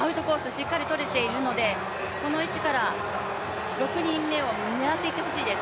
しっかりとれているのでこの位置から６人目を狙っていってほしいです。